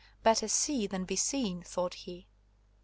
Better see than be seen, thought he.